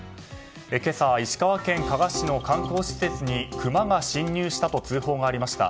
今朝、石川県加賀市の観光施設にクマが侵入したと通報がありました。